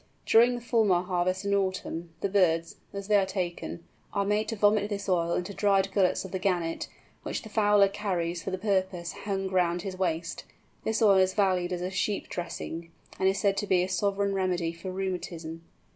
During the Fulmar harvest in autumn, the birds, as they are taken, are made to vomit this oil into dried gullets of the Gannet, which the fowler carries for the purpose hung round his waist. This oil is valued as a sheep dressing, and is said to be a sovereign remedy for rheumatism.